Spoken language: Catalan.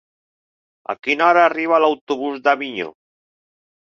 A quina hora arriba l'autobús d'Avinyó?